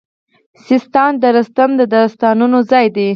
سیستان د رستم د داستانونو ځای دی